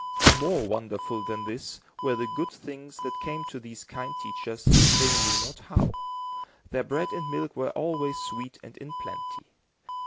More wonderful than this, were the good things that came to these kind teachers, they knew not how. Their bread and milk were always sweet and in plenty.